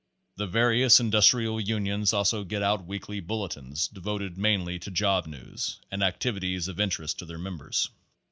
The various Industrial Union's also get out weekly Bulletins devoted mainly to job news and activities of interest to their members.